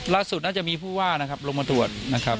ล่าสุดน่าจะมีผู้ว่านะครับลงมาตรวจนะครับ